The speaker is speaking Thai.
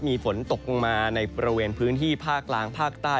มีฝนตกลงมาในบริเวณพื้นที่ภาคกลางภาคใต้